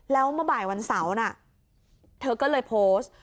แล้วเมื่อบ่ายวันเสาร์น่ะเธอก็เลยโพสต์